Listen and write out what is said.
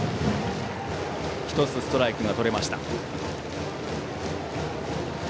１つ、ストライクがとれました。